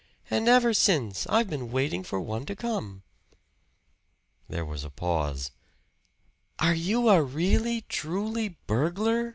And ever since I've been waiting for one to come." There was a pause. "Are you a really truly burglar?"